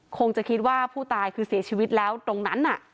คงจะคิดว่าผู้ตายคือเสียชีวิตแล้วตรงนั้น